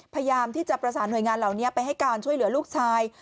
พยายามที่จะประสานหน่วยงานเหล่านี้ไปให้การช่วยเหลือลูกชาย